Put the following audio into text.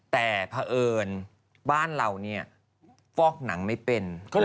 แต่เผอิญบ้านเราเนี่ยฟอกหนังไม่เป็น